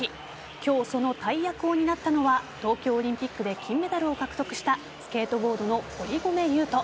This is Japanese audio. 今日、その大役を担ったのは東京オリンピックで金メダルを獲得したスケートボードの堀米雄斗。